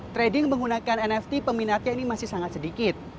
trading menggunakan nft peminatnya ini masih sangat sedikit